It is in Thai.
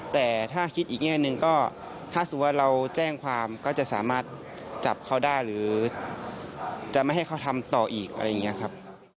แต่ถ้าคิดอีกแง่หนึ่งก็ถ้าสมมุติว่าเราแจ้งความก็จะสามารถจับเขาได้หรือจะไม่ให้เขาทำต่ออีกอะไรอย่างนี้ครับ